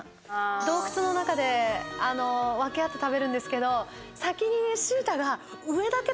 洞窟の中で分け合って食べるんですけど先にシータが。